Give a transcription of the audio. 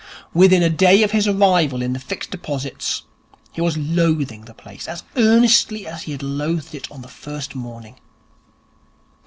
Within a day of his arrival in the Fixed Deposits he was loathing the place as earnestly as he had loathed it on the first morning.